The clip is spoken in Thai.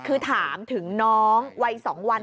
คือถามถึงน้องวัย๒วัน